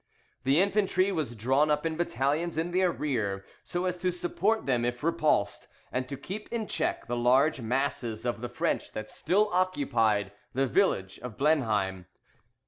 The infantry was drawn up in battalions in their rear, so as to support them if repulsed, and to keep in check the large masses of the French that still occupied the village of Blenheim.